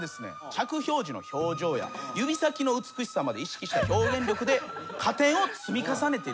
着氷時の表情や指先の美しさまで意識した表現力で加点を積み重ねているんです。